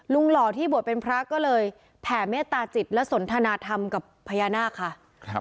หล่อที่บวชเป็นพระก็เลยแผ่เมตตาจิตและสนทนาธรรมกับพญานาคค่ะ